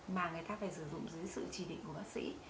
mà người ta phải sử dụng dưới sự chỉ định của bác sĩ